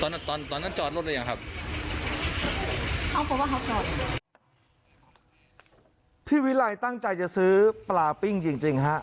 ตอนนั้นตอนนั้นตอนนั้นจอดรถอะไรอย่างครับอ๋อพูดว่าพี่วิลัยตั้งใจจะซื้อปลาปิ้งจริงฮะ